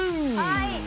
はい。